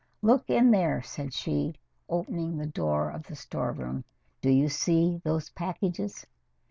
"Look in there," said she, opening the door of the storeroom. "Do you see those packages?"